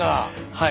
はい。